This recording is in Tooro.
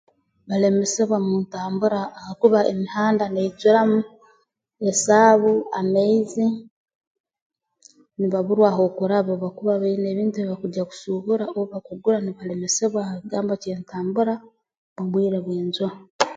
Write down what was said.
Balemesebwa mu ntambura habwokuba emihanda naijuramu esaabu amaizi mbaburwa h'okuraba obu bakuba baine ebintu ebi bakugya kusuubura oba kugura nibalemesebwa ha kigambo ky'entambura omu bwire bw'enjura